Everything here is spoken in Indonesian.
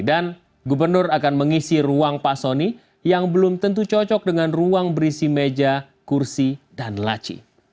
dan gubernur akan mengisi ruang pak soni yang belum tentu cocok dengan ruang berisi meja kursi dan laci